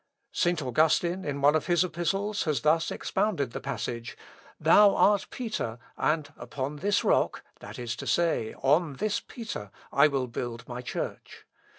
_' St. Augustine, in one of his epistles, has thus expounded the passage, 'Thou art Peter, and upon this rock, that is to say, on this Peter, I will build my Church.'